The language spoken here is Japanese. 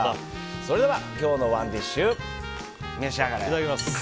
それでは今日のＯｎｅＤｉｓｈ召し上がれ。